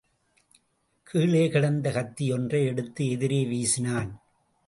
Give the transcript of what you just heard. கீழே கிடந்த கத்தியொன்றை எடுத்து எதிரே வீசினான்.